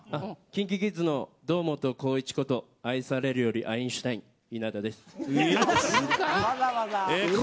ＫｉｎＫｉＫｉｄｓの堂本光一こと愛されるよりアインシュタイン稲田です。